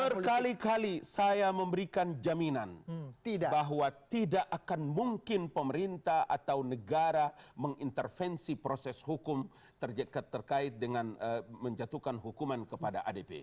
berkali kali saya memberikan jaminan bahwa tidak akan mungkin pemerintah atau negara mengintervensi proses hukum terkait dengan menjatuhkan hukuman kepada adp